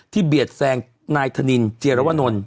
ที่เบียดแสงนายทะนินเจียราวนนท์